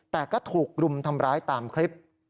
แต่ก็ถูกรุมทำร้ายตามคลิป